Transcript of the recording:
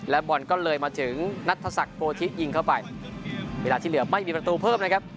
บอลก็เลยมาถึงนัทศักดิ์โพธิยิงเข้าไปเวลาที่เหลือไม่มีประตูเพิ่มนะครับ